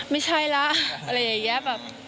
ไม่ใช่ล่ะอะไรแบบเงี้ยแบบ